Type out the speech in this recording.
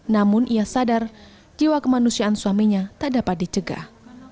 namun ia sadar jiwa kemanusiaan suaminya tak dapat dicegah